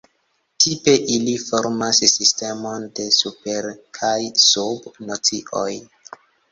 Tipe ili formas sistemon de super- kaj sub-nocioj.